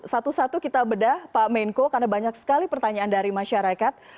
satu satu kita bedah pak menko karena banyak sekali pertanyaan dari masyarakat